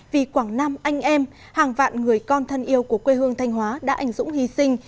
vì quảng nam anh em hàng vạn người con thân yêu của quê hương thanh hóa đã ảnh dũng hy sinh